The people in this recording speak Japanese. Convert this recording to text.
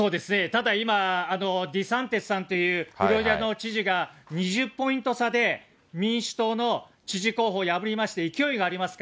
ただ今、デサンティスさんっていうフロリダの知事が、２０ポイント差で民主党の知事候補を破りまして、勢いがあります